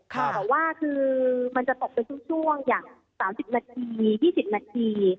แต่ว่าคือมันจะตกเป็นช่วงอย่าง๓๐นาที๒๐นาที